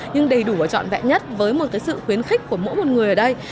nhưng đầy đủ và trọn vẹn nhất với một sự khuyến khích của mỗi một người ở đây